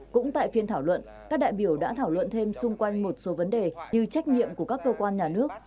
cũng tại phiên thảo luận các đại biểu đã thảo luận thêm xung quanh một số vấn đề như trách nhiệm của các cơ quan nhà nước